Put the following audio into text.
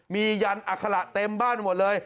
มียันอัคระเต็มบ้านหมดเลย